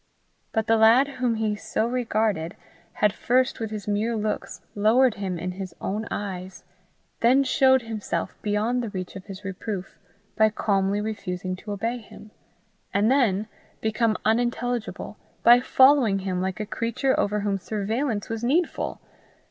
But the lad whom he so regarded, had first with his mere looks lowered him in his own eyes, then showed himself beyond the reach of his reproof by calmly refusing to obey him, and then became unintelligible by following him like a creature over whom surveillance was needful!